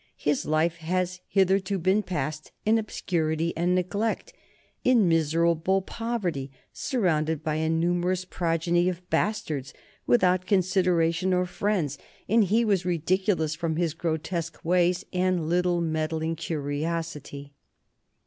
His life has hitherto been passed in obscurity and neglect, in miserable poverty, surrounded by a numerous progeny of bastards, without consideration or friends, and he was ridiculous from his grotesque ways and little, meddling curiosity."